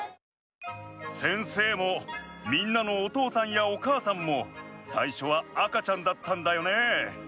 先生もみんなのおとうさんやおかあさんもさいしょは赤ちゃんだったんだよね。